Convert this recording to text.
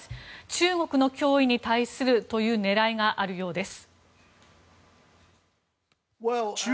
中国の脅威に対するという狙いがあるようです。